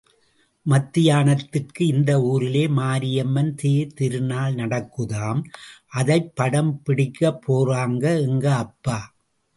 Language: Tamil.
மத்தியானத்துக்கு இந்த ஊரிலே மாரியம்மன் தேர் திருநாள் நடக்குதாம் – அதைப் படம் பிடிக்கப்போறாங்க எங்க அப்பா.